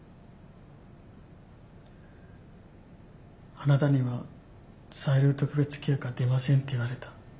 あなたには在留特別許可出ませんって言われた。